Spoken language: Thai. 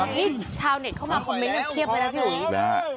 นี่ชาวเน็ตเข้ามาคอมเม้นต์อย่างเพียบเลยนะพี่หุย